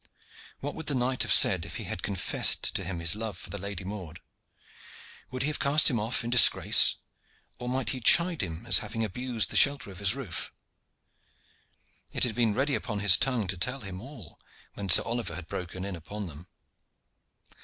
What would the knight have said had he confessed to his love for the Lady Maude? Would he cast him off in disgrace, or might he chide him as having abused the shelter of his roof? It had been ready upon his tongue to tell him all when Sir Oliver had broken in upon them.